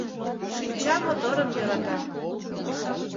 Шинча моторым йӧрата.